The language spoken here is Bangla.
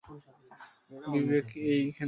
বিবেক এইখানে থাকে?